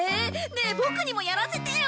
ねえボクにもやらせてよ。